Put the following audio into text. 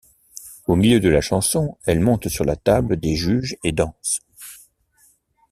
Au milieu de la chanson, elle monte sur la table des juges et danse.